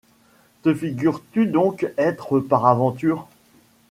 Te figures-tu donc être, par aventure